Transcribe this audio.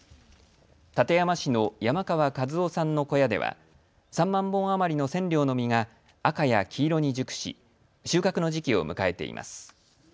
館山市の山川和夫さんの小屋では３万本余りのセンリョウの実が赤や黄色に熟し、収穫の時期を迎えています。